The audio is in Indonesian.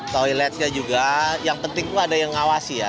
toiletnya juga yang penting ada yang ngawasi ya